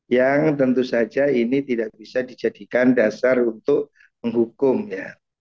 yang tentu saja ini tidak bisa dijadikan dasar untuk menghukum ya